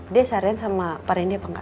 dia saran sama pak randy apa enggak